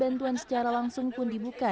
bantuan secara langsung pun dibuka